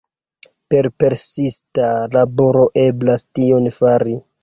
Per persista laboro eblas tion fari.